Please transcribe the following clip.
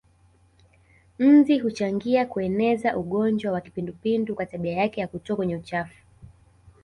Nzi huchangia kueneza ugonjwa wa kipindupindu kwa tabia yake za kutua kwenye uchafu